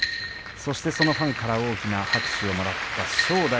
そしてそのファンから大きな拍手をもらった正代